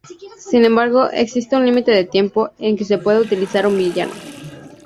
Sin embargo, existe un límite de tiempo en que se puede utilizar un villano.